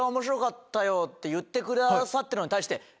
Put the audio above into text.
言ってくださってるのに対して。